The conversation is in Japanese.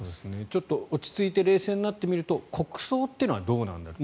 ちょっと落ち着いて冷静になってみると国葬というのはどうなんだと。